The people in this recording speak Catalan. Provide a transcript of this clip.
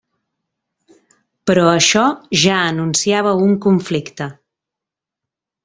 Però això ja anunciava un conflicte.